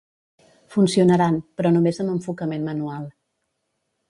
Funcionaran, però només amb enfocament manual.